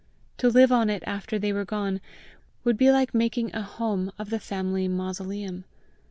To live on it after they were gone, would be like making a home of the family mausoleum.